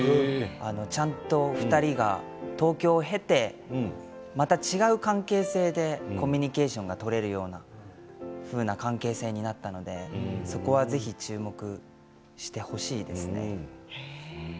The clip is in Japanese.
ちゃんと２人が東京を経て違う関係性でコミュニケーションを取れるような関係性になったのでそこはぜひ注目してほしいですね。